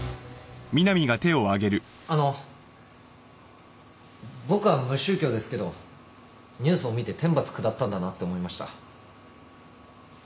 あの僕は無宗教ですけどニュースを見て天罰下ったんだなって思いました。